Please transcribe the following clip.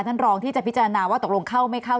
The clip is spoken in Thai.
ท่านรองที่จะพิจารณาว่าตกลงเข้าไม่เข้า